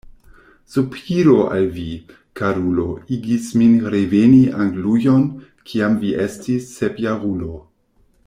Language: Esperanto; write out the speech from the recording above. Sopiro al vi, karulo, igis min reveni Anglujon, kiam vi estis sepjarulo.